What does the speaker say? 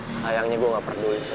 sayangnya gue gak perlu issa